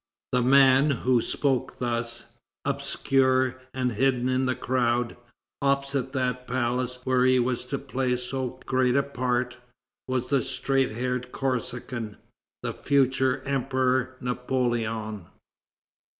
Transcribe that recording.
The man who spoke thus, obscure and hidden in the crowd, opposite that palace where he was to play so great a part, was the "straight haired Corsican," the future Emperor Napoleon.